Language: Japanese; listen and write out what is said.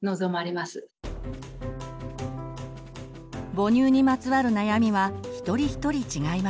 母乳にまつわる悩みは一人一人違います。